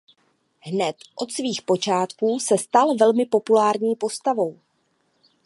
Hned od svých počátků se stal velmi populární postavou.